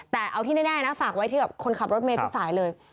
แต่เอาที่แน่นะฝากไว้ที่กับคนขับรถเมย์ทุกสายเลย